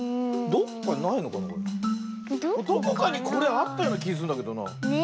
どこかにこれあったようなきすんだけどな。ね。